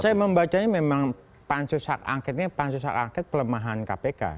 saya membacanya memang pansus angketnya pansus angket pelemahan kpk